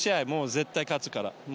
絶対勝つから。